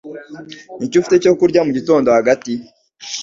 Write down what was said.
Niki ufite cyo kurya mugitondo cyo hagati?